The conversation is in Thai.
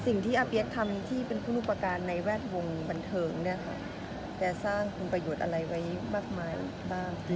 สิ่งที่อเบี๊ยกทำที่เป็นผู้นูปการในแวทวงศ์บันเทิงเนี่ยแต่สร้างมือประโยชน์อะไรไว้บางที่บ้าง